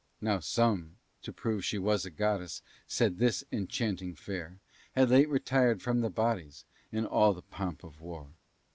Now some, to prove she was a goddess, Said this enchanting fair Had late retirèd from the Bodies In all the pomp of war.